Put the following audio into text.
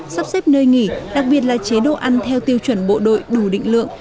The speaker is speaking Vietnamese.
sắp xếp nơi nghỉ đặc biệt là chế độ ăn theo tiêu chuẩn bộ đội đủ định lượng